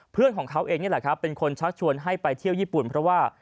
เพื่อนของเขาเองนี่แหละครับเป็นคนชักชวนให้ไปเที่ยวญี่ปุ่นเพราะว่า